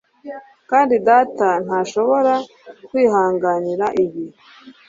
Kandi data ntashobora kwihanganira ibi.